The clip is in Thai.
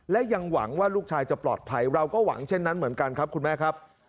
และยังหวังว่าลูกชายจะปลอดภัยเราก็หวังเช่นนั้นเหมือนกันครับคุณแม่ครับ